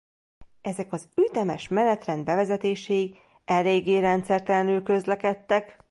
Ezek az ütemes menetrend bevezetéséig eléggé rendszertelenül közlekedtek.